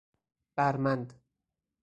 بَرمند